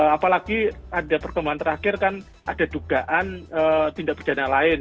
apalagi ada perkembangan terakhir kan ada dugaan tindak pidana lain